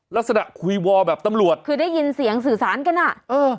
ลักษณะคุยวอลแบบตำรวจคือได้ยินเสียงสื่อสารกันอ่ะเออ